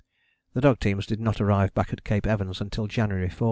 The dog teams did not arrive back at Cape Evans until January 4.